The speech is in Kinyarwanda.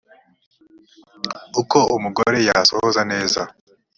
uko umugore yasohoza neza